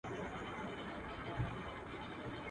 o هندو تې ول دولت زيات، هغه ول پر خپل هغې پام کوه.